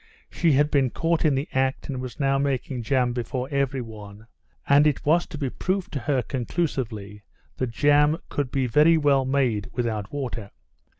She had been caught in the act, and was now making jam before everyone, and it was to be proved to her conclusively that jam could be very well made without water.